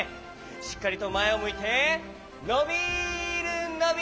しっかりとまえをむいてのびるのびるストップ！